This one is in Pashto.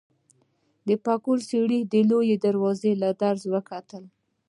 پکولي سړي د لويې دروازې له درزه کتل.